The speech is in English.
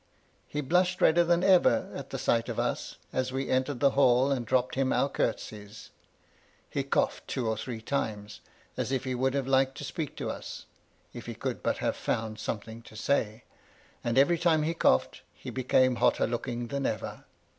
He blushed redder than ever at the sight of us, as we entered the haU, and dropped him our curtsies. He coughed two or three times, as if he would have liked to speak to us, if he could but have found some thing to say ; and every time he coughed, he became hotter looking than ever.